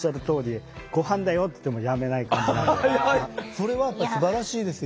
それはやっぱりすばらしいですよ。